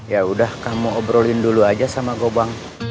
ya udah kamu obrolin dulu aja sama gobang